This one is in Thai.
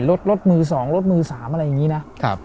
รถมือ๒รถมือ๓อะไรอย่างนี้นะ